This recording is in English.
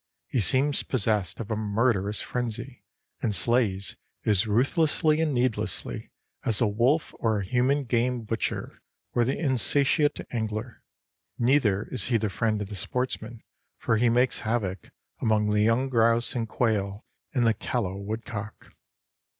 He seems possessed of a murderous frenzy, and slays as ruthlessly and needlessly as a wolf or a human game butcher or the insatiate angler. Neither is he the friend of the sportsman, for he makes havoc among the young grouse and quail and the callow woodcock.